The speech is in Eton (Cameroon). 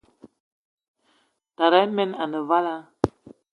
Tara men ane vala.